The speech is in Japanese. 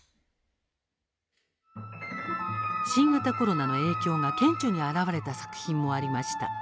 新型コロナの影響が顕著に表れた作品もありました。